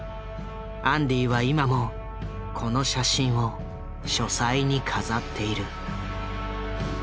アンディは今もこの写真を書斎に飾っている。